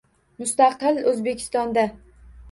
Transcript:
Mustaqil O'zbekistonda